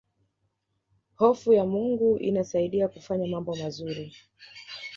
hofu ya mungu inasaidia kufanya mambo mazuri